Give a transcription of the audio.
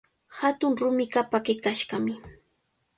Hatun rumiqa pakikashqami.